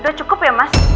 udah cukup ya mas